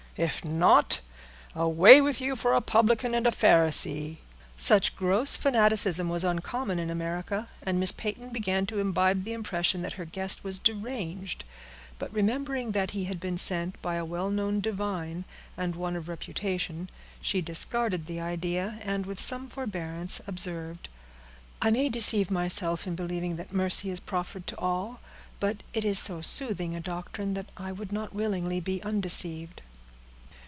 If not, away with you for a publican and a Pharisee!" Such gross fanaticism was uncommon in America, and Miss Peyton began to imbibe the impression that her guest was deranged; but remembering that he had been sent by a well known divine, and one of reputation, she discarded the idea, and, with some forbearance, observed,— "I may deceive myself, in believing that mercy is proffered to all, but it is so soothing a doctrine, that I would not willingly be undeceived."